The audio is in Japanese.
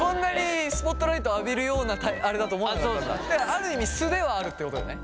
ある意味素ではあるってことだよね？